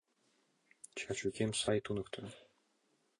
Чачукем сай туныкто.